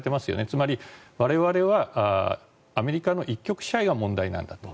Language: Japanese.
つまり、我々はアメリカの一極支配が問題なんだと。